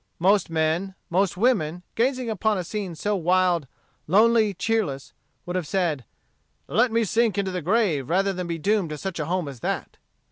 Most men, most women, gazing upon a scene so wild, lonely, cheerless, would have said, "Let me sink into the grave rather than be doomed to such a home as that."